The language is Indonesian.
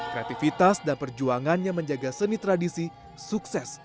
kreativitas dan perjuangannya menjaga seni tradisi sukses